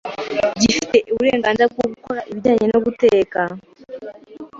gifite uburenganzira bwo gukora ibijyanye no gutega